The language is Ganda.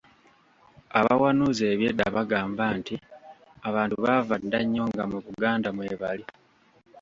Abawanuuza eby'edda bagamba nti abantu baava dda nnyo nga mu Buganda mwebali.